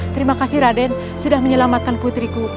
terima kasih raden sudah menyelamatkan putriku